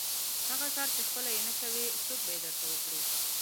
هغه کار چې خپله یې نه کوئ، څوک به یې درته وکړي؟